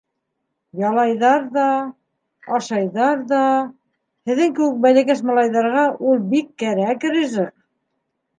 Ялайҙар ҙа, ашайҙар ҙа... һеҙҙең кеүек бәләкәс малайҙарға ул бик кәрәк ризыҡ.